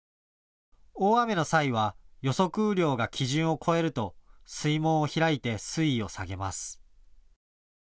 大雨の際は予測雨量が基準を超えると水門を開いて水位を下げます。